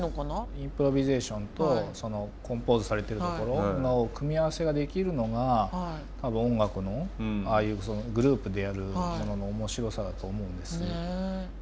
インプロビゼーションとそのコンポーズされているところの組み合わせができるのが音楽のああいうグループでやるものの面白さだと思うんです。